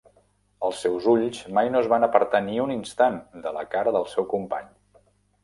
Els seus ulls mai no es van apartar ni un instant de la cara del seu company.